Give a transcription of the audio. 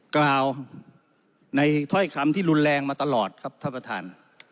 กล่าวในถ้อยคำที่รุนแรงมาตลอดครับท่านประธาน